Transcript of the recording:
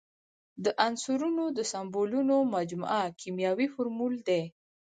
د عنصرونو د سمبولونو مجموعه کیمیاوي فورمول دی.